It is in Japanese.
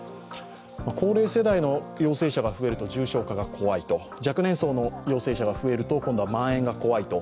高齢世代の陽性者が増えると、重症化が怖いと若年層の陽性者が増えると、今度はまん延が怖いと。